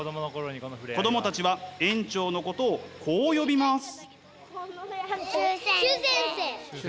子供たちは園長のことをこう呼びます。